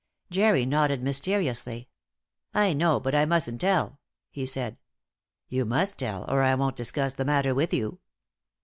Jerry nodded mysteriously. "I know; but I mustn't tell," he said. "You must tell, or I won't discuss the matter with you."